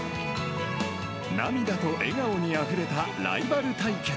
涙と笑顔にあふれたライバル対決。